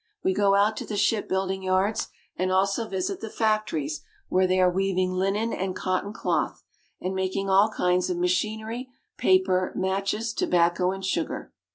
We go out to the ship building yards, and also visit the factories where they are weaving linen and cotton cloth, and making all kinds of machinery, paper, matches, tobacco, and sugar.